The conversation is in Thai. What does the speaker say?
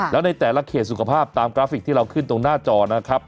แล้วในแต่ละเขตสุขภาพตามกราฟิกที่เราขึ้นตรงหน้าจอนะครับ